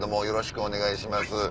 よろしくお願いします。